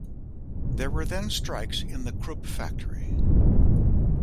There were then strikes in the Krupp factory.